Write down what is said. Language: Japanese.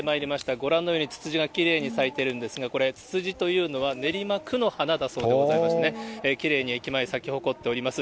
ご覧のように、ツツジがきれいに咲いてるんですが、ツツジというのは、練馬区の花でそうでございましてね、きれいに駅前、咲きほこっております。